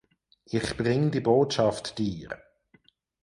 Ich bring die Botschaft dir.